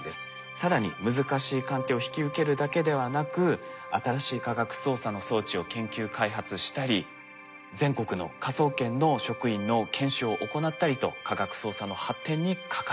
更に難しい鑑定を引き受けるだけではなく新しい科学捜査の装置を研究開発したり全国の科捜研の職員の研修を行ったりと科学捜査の発展に欠かせない存在なんです。